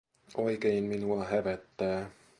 Oikein minua hävettää.